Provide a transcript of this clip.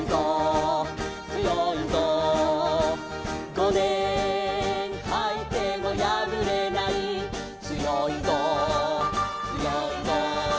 「ごねんはいてもやぶれない」「つよいぞつよいぞ」